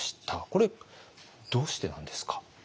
これどうしてなんですか？